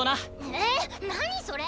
え何それ！？